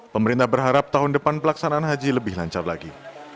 pemerintah berharap tahun depan pelaksanaan haji lebih lancar lagi